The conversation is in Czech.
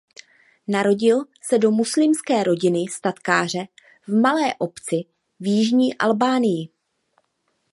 Narodil se do muslimské rodiny statkáře v malé obci v jižní Albánii.